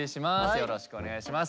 よろしくお願いします。